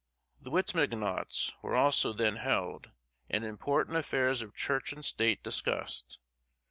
The Wittenagemots were also then held, and important affairs of church and state discussed.